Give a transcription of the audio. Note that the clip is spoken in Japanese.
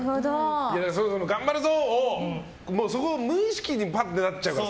頑張るぞ！をそこを無意識にパッてなっちゃうから。